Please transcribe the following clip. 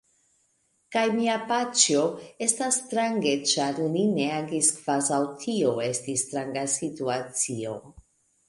Kaj mia paĉjo... estas strange ĉar li ne agis kvazaŭ tio estis stranga situacio.